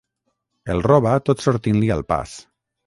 El roba tot sortint-li al pas.